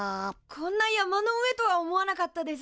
こんな山の上とは思わなかったです。